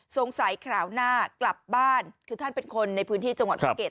คราวหน้ากลับบ้านคือท่านเป็นคนในพื้นที่จังหวัดภูเก็ต